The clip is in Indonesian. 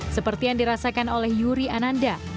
seperti yang dirasakan oleh yuri ananda